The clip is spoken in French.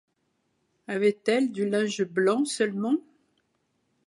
Avait-elle du linge blanc seulement ?